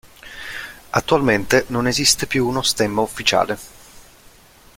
Attualmente non esiste più uno stemma ufficiale.